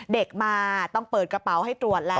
เด็กมาต้องเปิดกระเป๋าให้ตรวจแล้ว